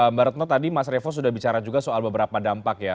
mbak retno tadi mas revo sudah bicara juga soal beberapa dampak ya